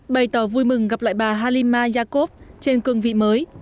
bày tỏ vui mừng gặp lại bà halima jakov trên cương vị mới